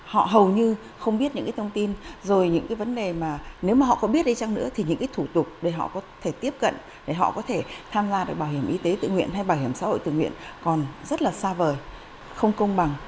họ hầu như không biết những cái thông tin rồi những cái vấn đề mà nếu mà họ có biết đi chăng nữa thì những cái thủ tục để họ có thể tiếp cận để họ có thể tham gia được bảo hiểm y tế tự nguyện hay bảo hiểm xã hội tự nguyện còn rất là xa vời không công bằng